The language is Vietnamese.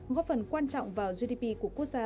góp phần quan trọng vào gdp của quốc gia